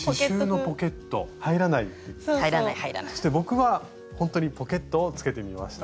そして僕はほんとにポケットをつけてみました。